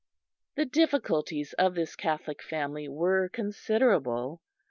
The difficulties of this Catholic family were considerable.